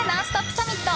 サミット。